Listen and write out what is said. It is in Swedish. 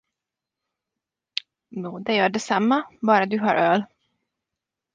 Nå, det gör detsamma, bara du har öl.